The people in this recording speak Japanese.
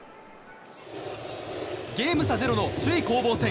ゲーム差０の首位攻防戦。